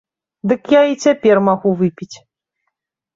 Дык я і цяпер магу выпіць.